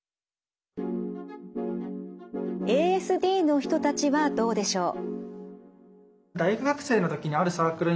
ＡＳＤの人たちはどうでしょう。